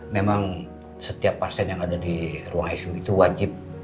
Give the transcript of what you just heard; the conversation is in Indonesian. memang setiap pasien yang ada di ruang icu itu wajib